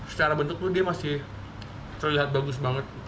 secara bentuk tuh dia masih terlihat bagus banget